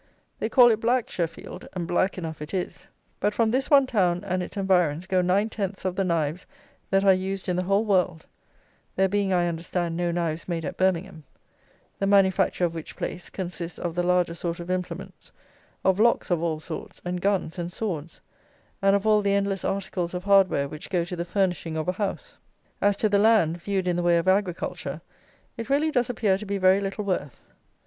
They call it black Sheffield, and black enough it is; but from this one town and its environs go nine tenths of the knives that are used in the whole world; there being, I understand, no knives made at Birmingham; the manufacture of which place consists of the larger sort of implements, of locks of all sorts, and guns and swords, and of all the endless articles of hardware which go to the furnishing of a house. As to the land, viewed in the way of agriculture, it really does appear to be very little worth.